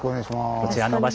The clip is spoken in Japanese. こちらの場所